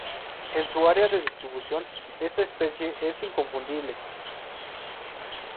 En su área de distribución esta especie es inconfundible.